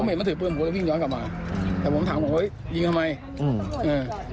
ก็ผมเห็นเขาถือปืนผมก็วิ่งย้อนกลับมาแต่ผมถามเขาเฮ้ยยิงทำไมอืมอืม